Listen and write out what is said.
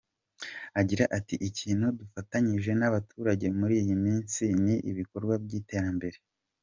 Agira ati “Ikintu dufatanyije n’abaturage muri iyi minsi ni ibikorwa by’iterambere.